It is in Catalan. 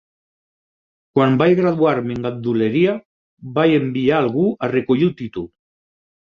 Quan vaig graduar-me en ganduleria, vaig enviar algú a recollir el títol.